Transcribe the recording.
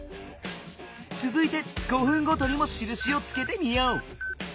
つづいて５分ごとにもしるしをつけてみよう。